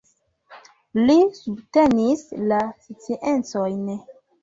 Li subtenis la sciencojn.